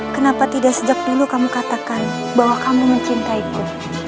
kenapa tidak sejak dulu kamu katakan bahwa kamu mencintaiku